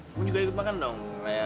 kamu juga ikut makan dong